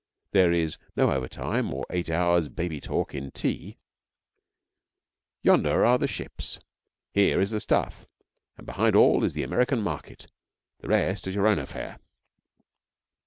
There is no overtime or eight hours' baby talk in tea. Yonder are the ships; here is the stuff, and behind all is the American market. The rest is your own affair.